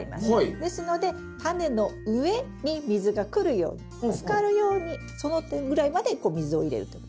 ですのでタネの上に水が来るようにつかるようにそのぐらいまでこう水を入れるという。